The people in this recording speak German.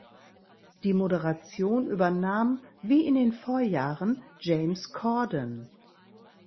Die Moderation übernahm wie in den Vorjahren James Corden.